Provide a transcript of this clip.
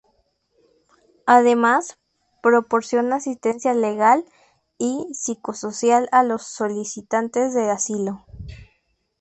Además, proporciona asistencia legal y psicosocial a los solicitantes de asilo.